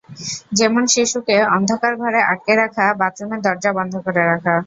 যেমন শিশুকে অন্ধকার ঘরে আটকে রাখা, বাথরুমে দরজা বন্ধ করে রাখা।